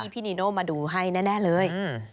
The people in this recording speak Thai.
พี่นีโน่มาดูให้แน่เลย